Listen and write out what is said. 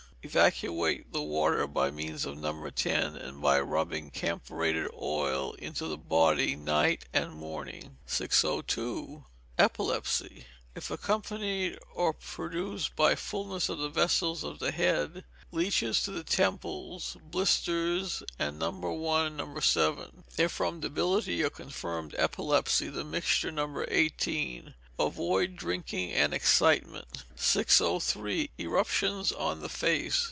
Evacuate the water by means of No. 10, and by rubbing camphorated oil into the body night and morning. 602. Epilepsy. If accompanied or produced by fulness of the vessels of the head, leeches to the temples, blisters, and No. 1 and No. 7. If from debility or confirmed epilepsy, the mixture, No. 18. Avoid drinking and excitement. 603. Eruptions on the Face.